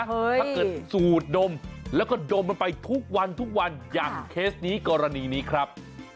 ถ้าเกิดสูดดมแล้วก็ดมมันไปทุกวันทุกวันอย่างเคสนี้กรณีนี้ครับ